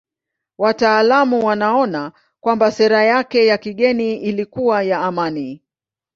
Wataalamu wanaona kwamba sera yake ya kigeni ilikuwa ya amani.